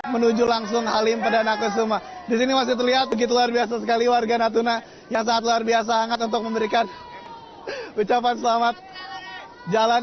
begitu luar biasa sekali warga natuna yang sangat luar biasa hangat untuk memberikan ucapan selamat jalan